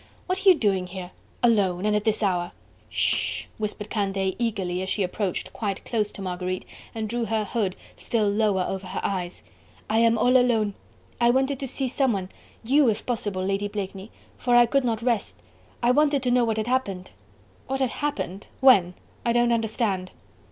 "What are you doing here? alone? and at this hour?" "Sh sh sh..." whispered Candeille eagerly, as she approached quite close to Marguerite and drew her hood still lower over her eyes. "I am all alone ... I wanted to see someone you if possible, Lady Blakeney... for I could not rest... I wanted to know what had happened." "What had happened? When? I don't understand."